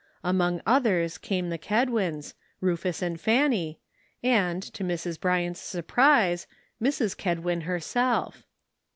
Among others came the Kedwins, 128 WAITING. Rufus and Fanny, and, to Mrs. Bryant's sur prise, Mrs. Kedwin herself.